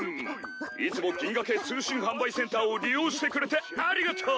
いつも銀河系通信販売センターを利用してくれてありがとう！